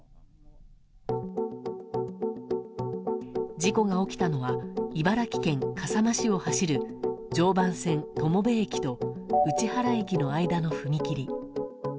事故が起きたのは茨城県笠間市を走る常磐線友部駅と内原駅の間の踏切。